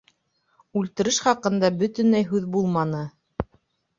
— Үлтереш хаҡында бөтөнләй һүҙ булманы.